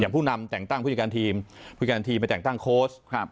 ผู้นำแต่งตั้งผู้จัดการทีมผู้การทีมไปแต่งตั้งโค้ชครับ